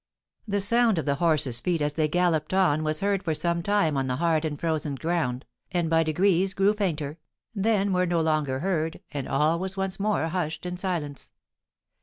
The sound of the horses' feet as they galloped on was heard for some time on the hard and frozen ground, and by degrees grew fainter, then were no longer heard, and all was once more hushed in silence.